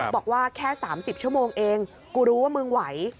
บอกว่าแค่๓๐ชั่วโมงเองกูรู้ว่ามึงไหว